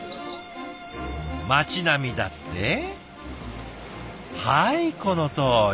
街並みだってはいこのとおり。